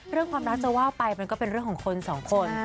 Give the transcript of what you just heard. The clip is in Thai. ความรักจะว่าไปมันก็เป็นเรื่องของคนสองคน